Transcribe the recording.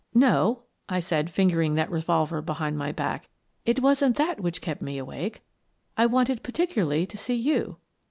" No," I said, fingering that revolver behind my back; "it wasn't that which kept me awake. I wanted particularly to see you."